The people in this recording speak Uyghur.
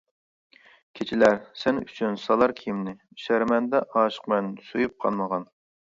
كېچىلەر سەن ئۈچۈن سالار كىيىمنى، شەرمەندە ئاشىقمەن سۆيۈپ قانمىغان!